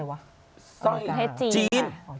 เทพเจียน